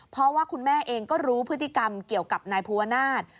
เพราะว่าคุณแม่เองก็รู้พฤติกรรมเกี่ยวกับนายภูวนาศ